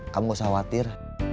kamu gak usah khawatir